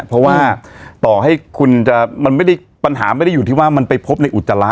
เพราะว่าต่อให้คุณจะมันไม่ได้ปัญหาไม่ได้อยู่ที่ว่ามันไปพบในอุจจาระ